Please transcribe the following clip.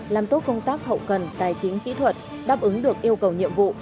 làm tốt công tác hậu cần tài chính kỹ thuật đáp ứng được yêu cầu nhiệm vụ